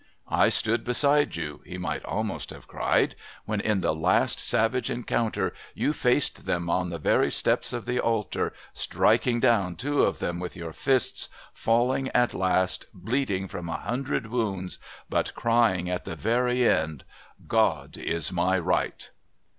"I stood beside you," he might almost have cried, "when in the last savage encounter you faced them on the very steps of the altar, striking down two of them with your fists, falling at last, bleeding from a hundred wounds, but crying at the very end, 'God is my right!'"